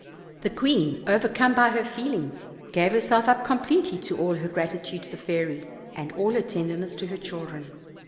The queen, overcome by her feelings, gave herself up completely to all her gratitude to the fairy, and all her tenderness to her children.